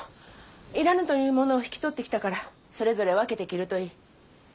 要らぬというものを引き取ってきたからそれぞれ分けて着るといい。